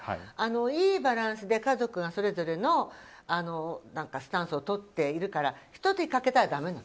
いいバランスで家族がそれぞれのスタンスをとっているから１人欠けたらだめなの。